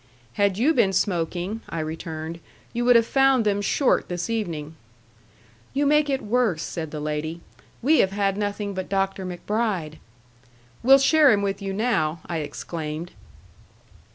"Had you been smoking," I returned, "you would have found them short this evening." "You make it worse," said the lady; "we have had nothing but Dr. MacBride." "We'll share him with you now," I exclaimed.